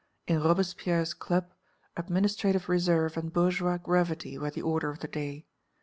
In Robespierre's club administrative reserve and bourgeois gravity were the order of the day.